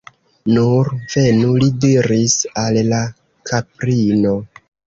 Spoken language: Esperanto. Nur venu! li diris al la kaprino.